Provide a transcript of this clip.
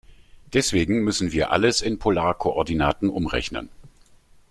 Deswegen müssen wir alles in Polarkoordinaten umrechnen.